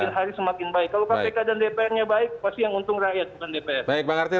semakin hari semakin baik kalau kpk dan dpr nya baik pasti yang untung rakyat bukan dpr